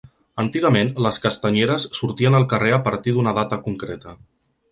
Antigament les castanyeres sortien al carrer a partir d’una data concreta.